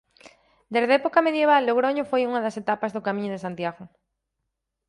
Desde época medieval Logroño foi unha das etapas do Camiño de Santiago.